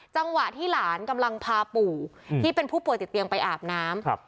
จังหวะที่หลานกำลังพาปู่ที่เป็นผู้ป่วยติดเตียงไปอาบน้ำ